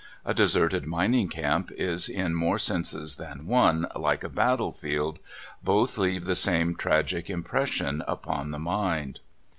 A deserted mining camp is in more senses than one like a battlefield. Both leave the same tragic im pression upon the mind.